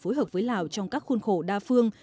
phối hợp với lào trong các khuôn khổ đa phương